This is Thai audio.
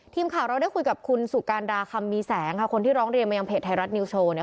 ทีมข่าวเราได้คุยกับคุณสุการดาคำมีแสงค่ะคนที่ร้องเรียนมายังเพจไทยรัฐนิวโชว์เนี่ย